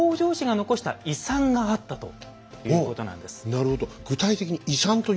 なるほど。